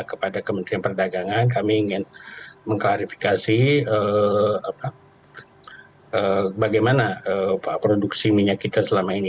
kepada kementerian perdagangan kami ingin mengklarifikasi bagaimana produksi minyak kita selama ini